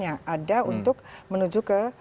yang ada untuk menuju ke